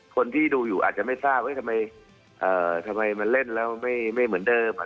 คนที่ดูอยู่อาจจะไม่ทราบว่าทำไมมันเล่นแล้วไม่เหมือนเดิม